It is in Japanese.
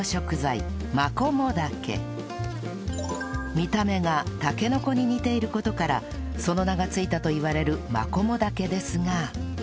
見た目がタケノコに似ている事からその名が付いたといわれるマコモダケですが